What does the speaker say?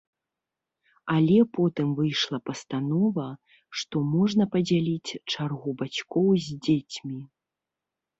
Але потым выйшла пастанова, што можна падзяліць чаргу бацькоў з дзецьмі.